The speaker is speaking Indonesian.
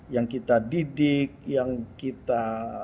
yang kita didik yang kita